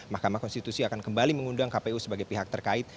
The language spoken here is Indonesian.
mahkamah konstitusi akan kembali mengundang kpu sebagai pihak terkait